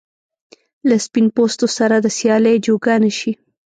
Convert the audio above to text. له سپین پوستو سره د سیالۍ جوګه نه شي.